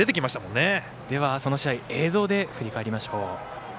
その試合映像で振り返りましょう。